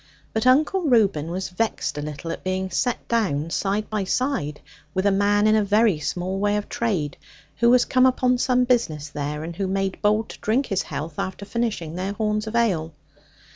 But Uncle Reuben was vexed a little at being set down side by side with a man in a very small way of trade, who was come upon some business there, and who made bold to drink his health after finishing their horns of ale.